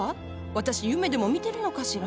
私夢でも見てるのかしら？